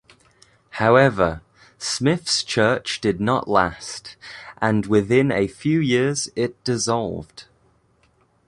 However, Smith's church did not last, and within a few years it dissolved.